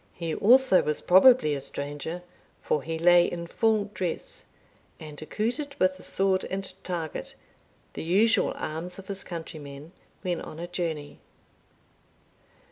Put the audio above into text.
He also was probably a stranger, for he lay in full dress, and accoutred with the sword and target, the usual arms of his countrymen when on a journey.